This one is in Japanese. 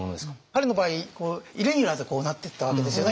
彼の場合イレギュラーでこうなってったわけですよね。